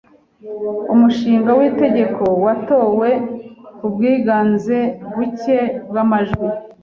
Umushinga w’itegeko watowe ku bwiganze buke bw’amajwi